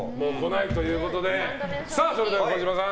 それでは児嶋さん